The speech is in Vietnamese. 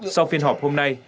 sau phiên họp hôm nay